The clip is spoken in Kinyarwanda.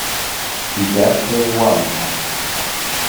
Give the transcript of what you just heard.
irya se wa muhanyi